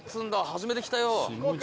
初めて来たよ。